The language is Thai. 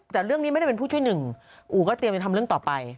แต่เรื่องนี้ไม่ได้เป็นผู้ช่วยหนึ่งอู๋ก็เตรียมจะทำเรื่องต่อไป